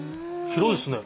広いですね。